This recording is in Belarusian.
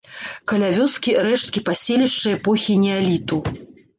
Каля вёскі рэшткі паселішча эпохі неаліту.